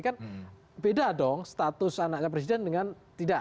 kan beda dong status anaknya presiden dengan tidak